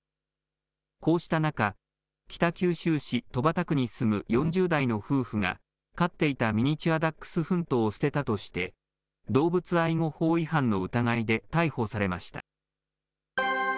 こうした中、北九州市戸畑区に住む４０代の夫婦が飼っていたミニチュアダックスフントを捨てたとして、動物愛護法違反の疑いで逮捕されました。